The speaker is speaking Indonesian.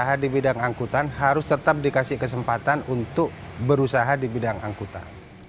usaha di bidang angkutan harus tetap dikasih kesempatan untuk berusaha di bidang angkutan